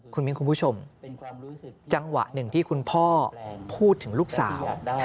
คุณมิ้นคุณผู้ชมจังหวะหนึ่งที่คุณพ่อพูดถึงลูกสาว